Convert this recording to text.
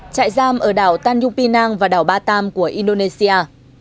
chạy giam ở đảo tanjupinang và đảo batam của indonesia